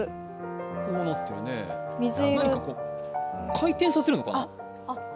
回転させるのかな。